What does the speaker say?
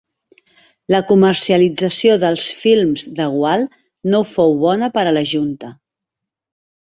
La comercialització dels films de Gual no fou bona per a la Junta.